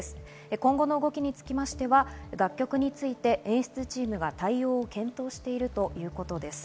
今後の動きについては楽曲について演出チームが対応を検討しているということです。